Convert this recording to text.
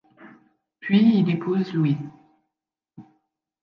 Puis il épouse Louise.